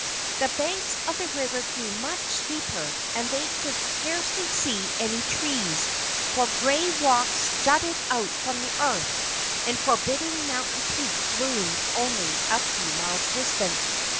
The banks of the river grew much steeper and they could see scarcely any trees, while grey rocks jutted from the earth and forbidding mountain peaks loomed only a few miles distant.